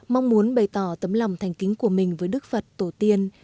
mong muốn bày tỏ tấm lòng thành kính của mình với đức phật tổ tiên